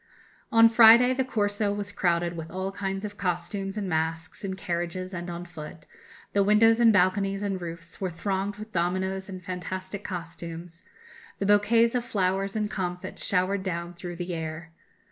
"On Friday ... the Corso was crowded with all kinds of costumes and masks in carriages and on foot; the windows and balconies and roofs were thronged with dominoes and fantastic costumes; bouquets of flowers and comfits showered down through the air....